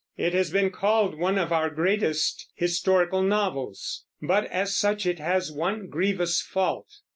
It has been called one of our greatest historical novels; but as such it has one grievous fault.